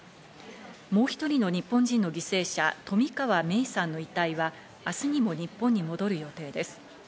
もう１人の日本人の犠牲者、冨川芽生さんの遺体は明日にも日本に戻る予定です。